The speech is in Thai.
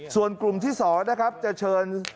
ส่วนกลุ่มที่๒นะครับจะเชิญ